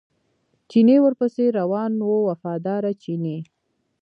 چیني ورپسې روان و وفاداره چیني.